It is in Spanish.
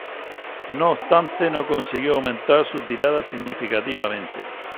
No obstante, no consiguió aumentar su tirada significativamente.